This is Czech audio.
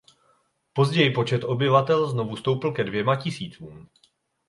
Později počet obyvatel znovu stoupl ke dvěma tisícům.